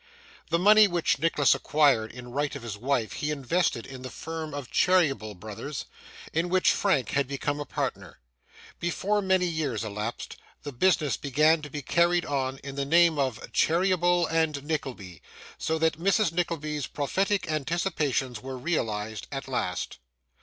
The money which Nicholas acquired in right of his wife he invested in the firm of Cheeryble Brothers, in which Frank had become a partner. Before many years elapsed, the business began to be carried on in the names of 'Cheeryble and Nickleby,' so that Mrs. Nickleby's prophetic anticipations were realised at last.